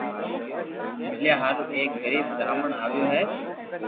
مليا ھارو ايڪ غريب براھمڻ آويو ھي